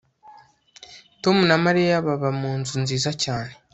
Tom na Mariya baba munzu nziza cyane